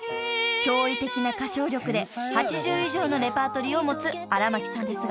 ［驚異的な歌唱力で８０以上のレパートリーを持つ荒牧さんですが］